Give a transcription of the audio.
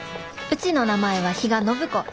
うちの名前は比嘉暢子。